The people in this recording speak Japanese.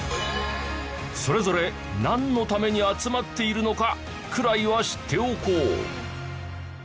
それぞれなんのために集まっているのかくらいは知っておこう。